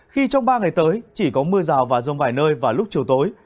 khi trong ba ngày tới chỉ có mưa rào và rông vài nơi vào lúc chiều tối